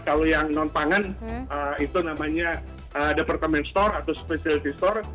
kalau yang non pangan itu namanya department store atau specialty store